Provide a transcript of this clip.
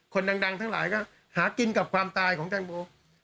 คนดังทั้งหลายก็หากินกับความตายของแตงโม